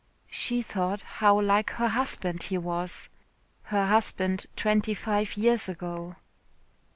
She thought how like her husband he was. Her husband twenty five years ago.